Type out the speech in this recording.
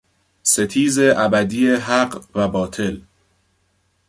ستیز ابدی حق و باطل